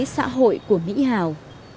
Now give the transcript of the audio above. xã hội của mỹ hào